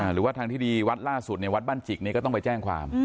หรือว่าทางที่ดีวัดล่าสุดวัดบ้านจิกนี้ก็ต้องไปแจ้งความ